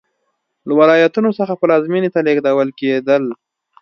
له ولایتونو څخه پلازمېنې ته لېږدول کېدل